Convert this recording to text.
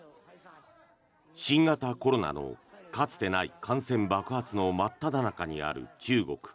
新型コロナのかつてない感染爆発の真っただ中にある中国。